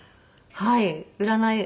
はい。